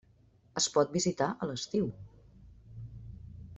Es pot visitar a l'estiu.